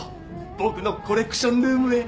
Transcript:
僕のコレクションルームへ。